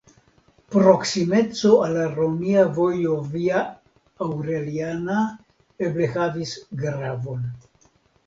Proksimeco al la romia vojo Via Aureliana eble havigis gravon.